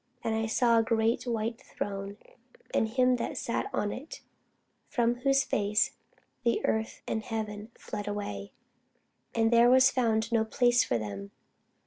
And I saw a great white throne, and him that sat on it, from whose face the earth and the heaven fled away; and there was found no place for them.